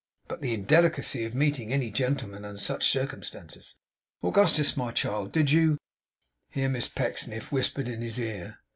'But the indelicacy of meeting any gentleman under such circumstances! Augustus, my child, did you ' Here Miss Pecksniff whispered in his ear.